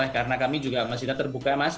karena kami juga masih terbuka mas